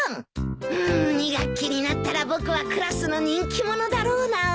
うん２学期になったら僕はクラスの人気者だろうな。